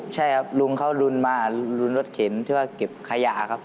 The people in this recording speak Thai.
ใช่ครับลุงเขารุนมารุนรถเข็นที่ว่าเก็บขยะครับ